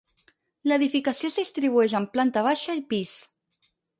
L'edificació es distribueix en planta baixa i pis.